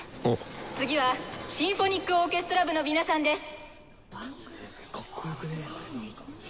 次はシンフォニックオーケストラ部の皆さんです！